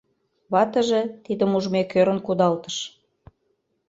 Ватыже, тидым ужмек, ӧрын кудалтыш.